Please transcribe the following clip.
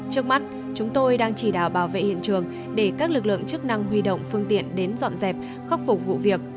trước mắt chúng tôi đang chỉ đạo bảo vệ hiện trường để các lực lượng chức năng huy động phương tiện đến dọn dẹp khắc phục vụ việc